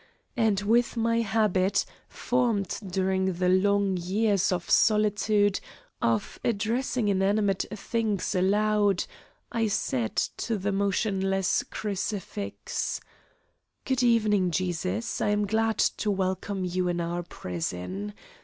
And with my habit, formed during the long years of solitude, of addressing inanimate things aloud, I said to the motionless crucifix: "Good evening, Jesus. I am glad to welcome You in our prison.